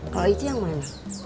kalau ici yang mana